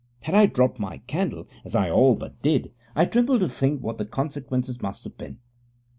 Had I dropped my candle, as I all but did, I tremble to think what the consequences must have been.